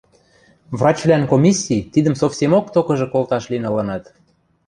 Врачвлӓн комисси тидӹм совсемок токыжы колташ лин ылынат